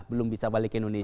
belum bisa balik ke indonesia